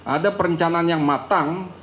ada perencanaan yang matang